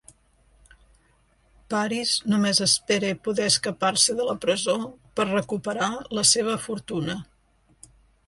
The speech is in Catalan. Paris només espera poder escapar-se de la presó per recuperar la seva fortuna.